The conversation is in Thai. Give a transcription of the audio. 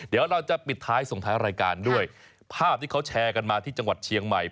เดี๋ยวเราจะปิดท้ายส่งท้ายรายการด้วยภาพที่เขาแชร์กันมาที่จังหวัดเชียงใหม่